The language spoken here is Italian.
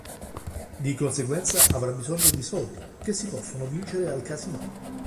Di conseguenza, avrà bisogno di soldi, che si possono vincere al casinò.